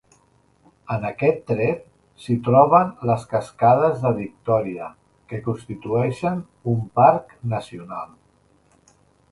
En aquest tret s'hi troben les cascades Victòria, que constitueixen un Parc Nacional.